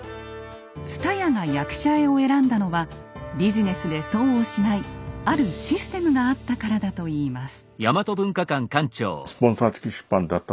蔦谷が役者絵を選んだのはビジネスで損をしないあるシステムがあったからだといいます。